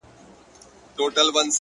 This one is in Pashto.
قربانو زړه مـي خپه دى دا څو عمـر.